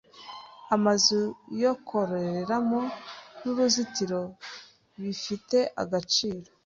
amazu yo kororeramo n’uruzitiro bi fite agaciro